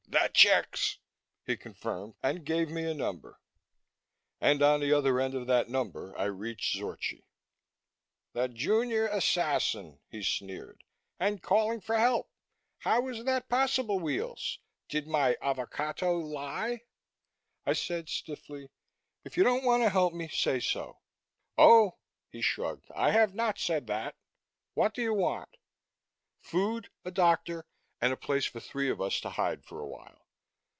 "That checks," he confirmed, and gave me a number. And on the other end of that number I reached Zorchi. "The junior assassin," he sneered. "And calling for help? How is that possible, Weels? Did my avocatto lie?" I said stiffly, "If you don't want to help me, say so." "Oh " he shrugged. "I have not said that. What do you want?" "Food, a doctor, and a place for three of us to hide for a while."